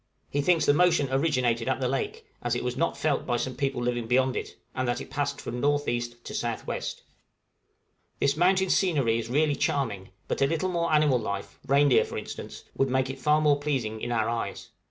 He thinks the motion originated at the lake, as it was not felt by some people living beyond it, and that it passed from N.E. to S.W. This mountain scenery is really charming; but a little more animal life reindeer, for instance would make it far more pleasing in our eyes.